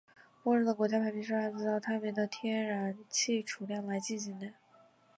默认的国家排名是按照探明的天然气储量来进行的。